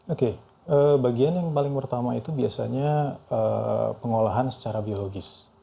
oke bagian yang paling pertama itu biasanya pengolahan secara biologis